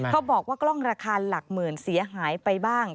บอกว่ากล้องราคาหลักหมื่นเสียหายไปบ้าง